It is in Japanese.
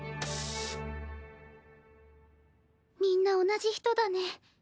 みんな同じ人だね。